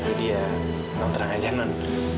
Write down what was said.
jadi ya non terang aja non